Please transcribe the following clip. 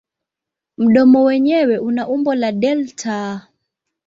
Mdomo wenyewe una umbo la delta.